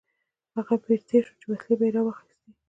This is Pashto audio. هغه پیر تېر شو چې وسلې به یې راواخیستې.